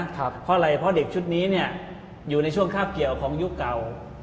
เพราะอะไรเพราะเด็กชุดนี้อยู่ในช่วงคาบเกี่ยวของยุคเก่า